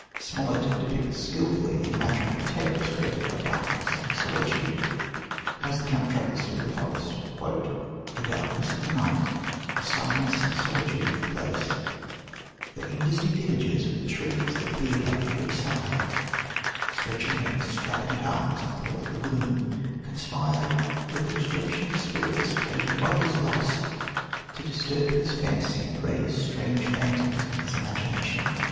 Smollett depicts skilfully the imaginary terrors created by darkness and solitude. As the Count travels through the forest: "The darkness of the night, the silence and solitude of the place, the indistinct images of the trees that appeared on every side, stretching their extravagant arms athwart the gloom, conspired, with the dejection of spirits occasioned by his loss, to disturb his fancy and raise strange phantoms in his imagination.